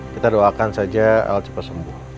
kita doakan saja el cepat sembuh